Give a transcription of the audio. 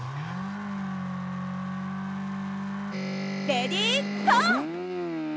レディーゴー！